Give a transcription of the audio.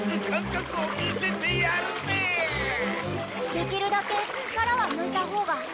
できるだけ力は抜いたほうが。